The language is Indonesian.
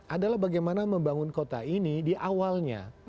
adalah bagaimana membangun kota ini di awalnya